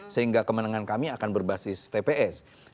sehingga kemenangan kami akan berbasis tps